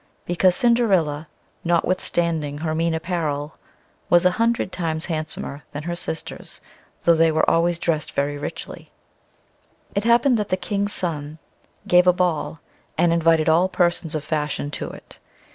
However, Cinderilla, notwithstanding her mean apparel, was a hundred times handsomer than her sisters, tho' they were always dressed very richly. It happened that the King's son gave a ball, and invited all persons of fashion to it.